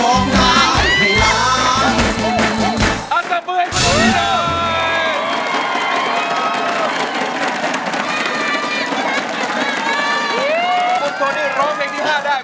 คุณตนนี่ร้องแผงที่๕ได้